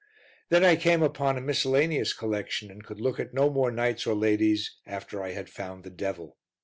Then I came upon a miscellaneous collection and could look at no more knights or ladies after I had found the devil.